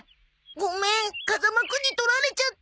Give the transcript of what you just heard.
ごめん風間くんに取られちゃった。